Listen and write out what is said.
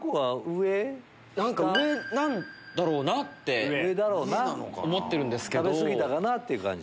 上なんだろうなって思ってるんですけど。